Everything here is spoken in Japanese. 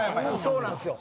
そうなんですよ。